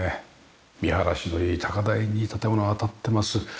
見晴らしのいい高台に建物が立ってます。